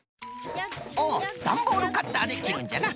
おっダンボールカッターできるんじゃな。